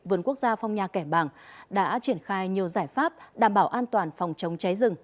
vườn quốc gia phong nha kẻ bàng đã triển khai nhiều giải pháp đảm bảo an toàn phòng chống cháy rừng